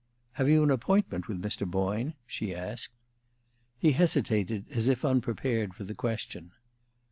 "Have you an appointment with Mr. Boyne?" she asked. He hesitated, as if unprepared for the question.